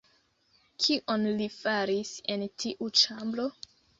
Kion li faris en tiu ĉambro?